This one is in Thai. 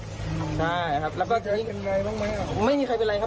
ใช่ครับแล้วก็ใช้เงินอะไรบ้างไหมครับไม่มีใครเป็นไรครับ